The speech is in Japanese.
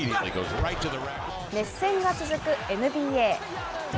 熱戦が続くＮＢＡ。